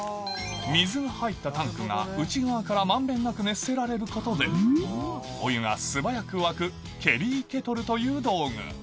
水が入ったタンクが内側から満遍なく熱せられることでお湯が素早く沸くケリーケトルという道具